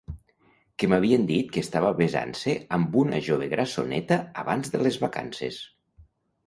Que m'havien dit que estava besant-se amb una jove grassoneta abans de les vacances!